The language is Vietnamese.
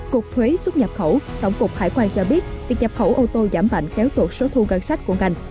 cục thuế xuất nhập khẩu tổng cục hải quan cho biết việc nhập khẩu ô tô giảm mạnh kéo tổn số thu ngân sách của ngành